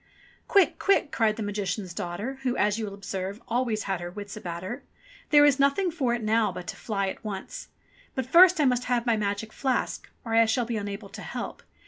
*'Quick ! Quick!" cried the Magician's daughter, who, as you will observe, always had her wits about her. "There is nothing for it now but to fly at once. But first I must have my magic flask, or I shall be unable to help.